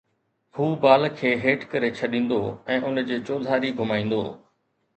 هو بال کي هيٺ ڪري ڇڏيندو ۽ ان جي چوڌاري گھمائيندو